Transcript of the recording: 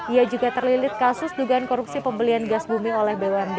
ia juga terlilit kasus dugaan korupsi pembelian gas bumi oleh bumd